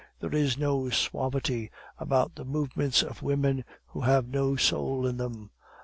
There is no suavity about the movements of women who have no soul in them.